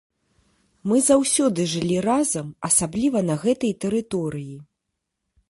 Мы заўсёды жылі разам, асабліва на гэтай тэрыторыі.